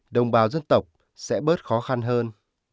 đồng bào dân tộc sẽ bớt khó khăn hơn